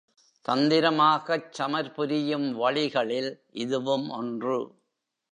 தந்திரமாகச் சமர் புரியும் வழிகளில் இதுவும் ஒன்று.